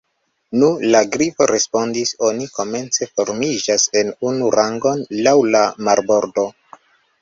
"Nu," la Grifo respondis, "oni komence formiĝas en unu rangon laŭ la marbordo."